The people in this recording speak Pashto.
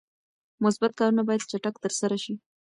مثبت کارونه باید چټک ترسره شي.